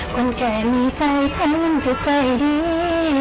คนแก่มีใจทำมึงทุกใจดี